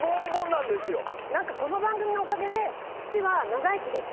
何かこの番組のおかげで父は。